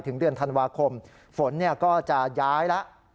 เดือนธันวาคมฝนก็จะย้ายแล้ว